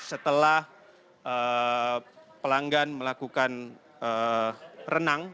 setelah pelanggan melakukan renang